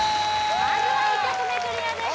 まずは１曲目クリアです